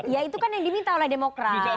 ya itu kan yang diminta oleh demokrat